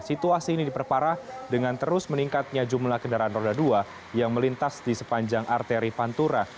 situasi ini diperparah dengan terus meningkatnya jumlah kendaraan roda dua yang melintas di sepanjang arteri pantura